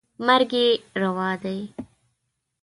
مرګ یې روا دی.